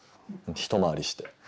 一回りして。